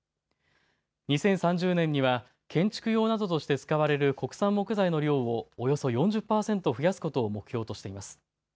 ２０３０年には建築用などとして使われる国産木材の量をおよそ４０％増やすことを目標としています。